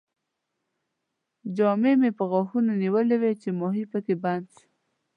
جال مې په غاښونو نیولی وو چې ماهي پکې بند شو.